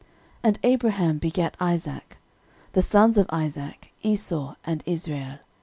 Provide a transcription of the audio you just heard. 13:001:034 And Abraham begat Isaac. The sons of Isaac; Esau and Israel.